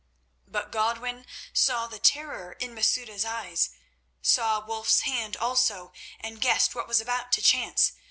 But Godwin saw the terror in Masouda's eyes, saw Wulf's hand also, and guessed what was about to chance.